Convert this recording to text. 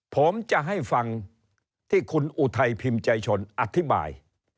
ผมจะให้ฟังที่คุณอุทัยพิมพ์ใจชนอธิบาย